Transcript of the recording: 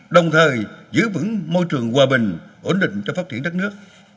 đồng thời giữ vững môi trường hòa bình ổn định cho phát triển đất nước